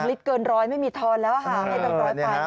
ลิตรเกินร้อยไม่มีทอนแล้วค่ะให้แบงค์ร้อยไป